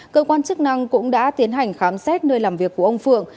cơ quan chức năng cũng đã tiến hành khám xét nơi làm việc của ông phượng